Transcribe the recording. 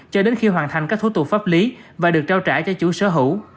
cho đến khi hoàn thành các thủ tục pháp lý và được trao trả cho chủ sở hữu